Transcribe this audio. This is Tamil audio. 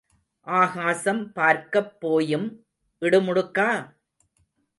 ஆகாசம் பார்க்கப் போயும் இடுமுடுக்கா?